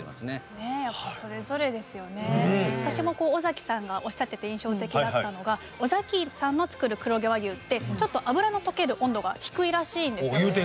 私も尾崎さんがおっしゃってて印象的だったのが尾崎さんの作る黒毛和牛ってちょっと脂の溶ける温度が低いらしいんですよ。